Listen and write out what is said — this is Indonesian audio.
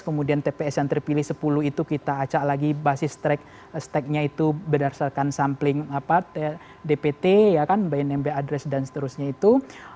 kemudian tps yang terpilih sepuluh itu kita acak lagi basis steknya itu berdasarkan sampling dpt bnmb adres dan seterusnya itu